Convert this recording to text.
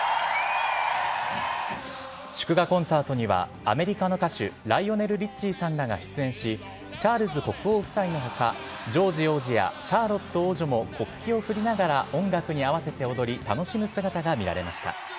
祝賀コンサートには、アメリカの歌手、ライオネル・リッチーさんらが出演し、チャールズ国王夫妻のほか、ジョージ王子やシャーロット王女も、国旗を振りながら音楽に合わせて踊り、楽しむ姿が見られました。